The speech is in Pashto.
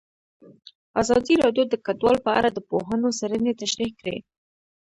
ازادي راډیو د کډوال په اړه د پوهانو څېړنې تشریح کړې.